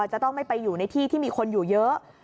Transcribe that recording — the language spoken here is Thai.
จะต้องไม่ไปอยู่ในที่ที่มีคนอยู่เยอะ